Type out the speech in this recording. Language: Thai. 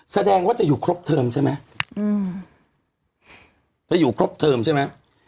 แสดงว่าจะอยู่ครบเทอมใช่ไหมอืมจะอยู่ครบเทอมใช่ไหม